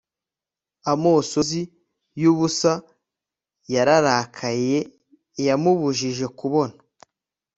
Amosozi yubusa yararakaye yamubujije kubona